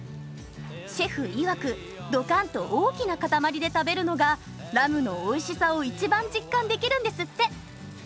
シェフいわくドカン！と大きな塊で食べるのがラムのおいしさを一番実感できるんですって。